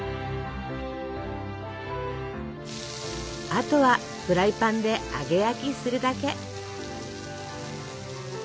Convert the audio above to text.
あとはフライパンで揚げ焼きするだけ。